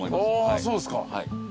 あそうっすか。